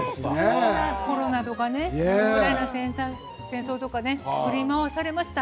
コロナとかねウクライナの戦争とかね振り回されました。